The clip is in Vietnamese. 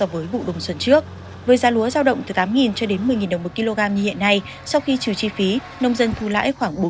với giá lúa giao động từ tám cho đến một mươi đồng một kg như hiện nay sau khi trừ chi phí nông dân thu lãi khoảng bốn mươi